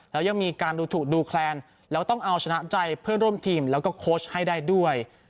แล้วยังมีการดูถูกดูแคลนแล้วต้องเอาชนะใจเพื่อนร่วมทีมแล้วก็โค้ชให้ได้ด้วย